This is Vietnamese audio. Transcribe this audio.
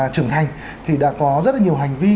trưởng thành thì đã có rất là nhiều hành vi